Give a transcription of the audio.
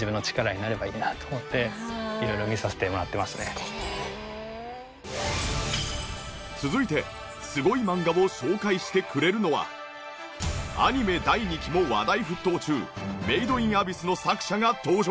ホントに続いてすごい漫画を紹介してくれるのはアニメ第２期も話題沸騰中『メイドインアビス』の作者が登場。